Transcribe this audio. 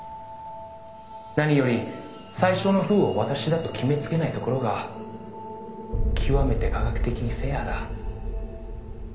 「何より最初のＷＨＯを私だと決めつけないところが極めて科学的にフェアだ」